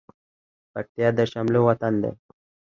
پکتيا د شملو وطن ده